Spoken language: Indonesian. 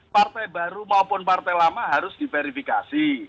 partai baru maupun partai lama harus diverifikasi